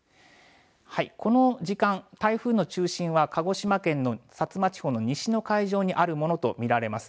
この時間、台風の中心は鹿児島県の薩摩地方の西の海上にあるものと見られます。